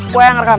gue yang rekam